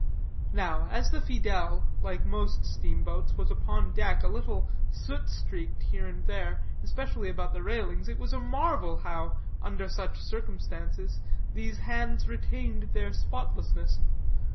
Now, as the Fidèle, like most steamboats, was upon deck a little soot streaked here and there, especially about the railings, it was marvel how, under such circumstances, these hands retained their spotlessness.